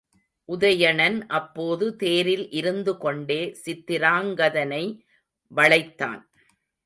உதயணன் அப்போது தேரில் இருந்துகொண்டே சித்திராங்கதனை வளைத்தான்.